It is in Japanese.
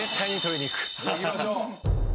いきましょう。